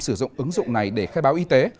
sử dụng ứng dụng này để khai báo y tế